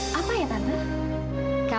sampai secara senangnya